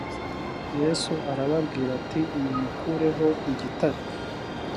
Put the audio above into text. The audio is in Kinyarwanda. yesu arababwira ati nimukureho igitare